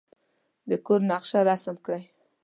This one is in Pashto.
د کور نقشه رسم کړئ.